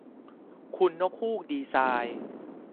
คุณนกฮูกดีไซน์